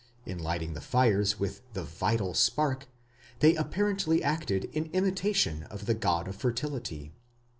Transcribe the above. In lighting the fires with the "vital spark", they apparently acted in imitation of the god of fertility.